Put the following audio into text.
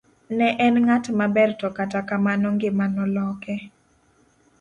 Ne en ng'at maber to kata kamano ngima noloke.